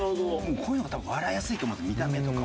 こういうのが多分笑いやすいと思う見た目とか。